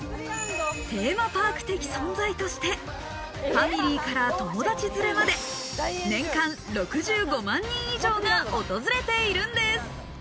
テーマパーク的存在としてファミリーから友達連れまで、年間６５万人以上が訪れているんです。